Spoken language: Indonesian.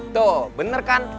tuh bener kan